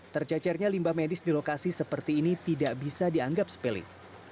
tercecernya limbah medis di lokasi seperti ini tidak bisa dianggap sepele